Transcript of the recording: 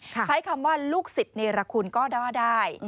ใช้คำว่าลูกศิษย์เนรคุณก็ว่าได้